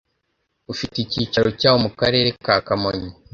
ufite icyicaro cyawo mu karere ka kamonyi